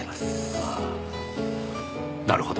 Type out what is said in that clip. ああなるほど。